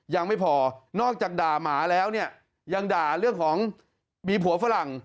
ยังไม่พอนอกจากด่าหมาแล้วเนี่ยยังด่าเรื่องของมีผัวฝรั่ง